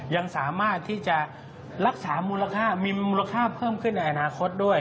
ยังสามารถที่จะรักษามูลค่ามีมูลค่าเพิ่มขึ้นในอนาคตด้วย